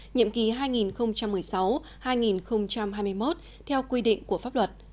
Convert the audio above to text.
nhiệm kỳ hai nghìn một mươi sáu hai nghìn hai mươi một theo quy định của pháp luật